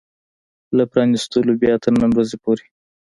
له پرانيستلو بيا تر نن ورځې پورې